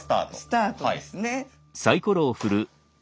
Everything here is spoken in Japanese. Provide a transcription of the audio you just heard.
スタートですね。